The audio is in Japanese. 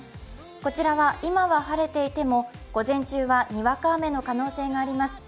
こちらは今は晴れていても午前中は、にわか雨の可能性があります。